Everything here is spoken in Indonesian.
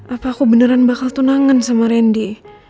apa aku beneran bakal tunangan sama randy